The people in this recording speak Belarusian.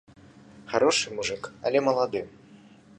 Харошы мужык, але малады.